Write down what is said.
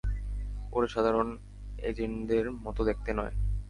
ওরা সাধারণ অ্যাজেন্টদের মতো দেখতে নয়।